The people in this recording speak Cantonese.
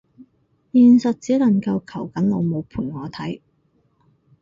現實只能夠求緊老母陪我睇